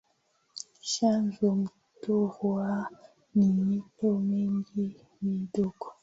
chanzo mto ruaha ni mito mingi midogo